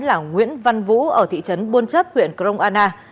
là nguyễn văn vũ ở thị trấn buôn chấp huyện kroana